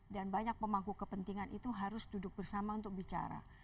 dan banyak pemangku kepentingan itu harus duduk bersama untuk bicara